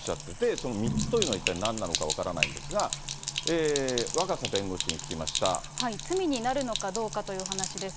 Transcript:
その３つというのは一体なんなのか分からないんですが、罪になるのかどうかという話です。